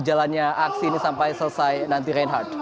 jalannya aksi ini sampai selesai nanti reinhardt